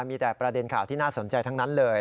มีแต่ประเด็นข่าวที่น่าสนใจทั้งนั้นเลย